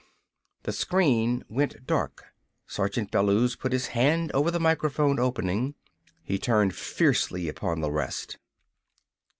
The screen went dark. Sergeant Bellews put his hand over the microphone opening. He turned fiercely upon the rest.